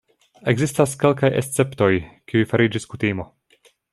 Ekzistas kelkaj esceptoj, kiuj fariĝis kutimo.